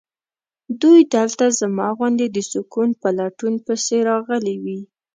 دوی دلته زما غوندې د سکون په لټون پسې راغلي وي.